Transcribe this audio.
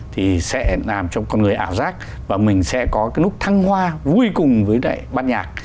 thì sẽ làm cho con người ảo giác và mình sẽ có cái lúc thăng hoa vui cùng với lại bát nhạc